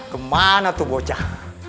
kemana tuh bocah